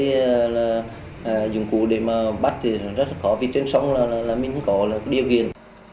và dụng cụ để mà bắt thì rất là khó vì trên sông là mình có điều kiện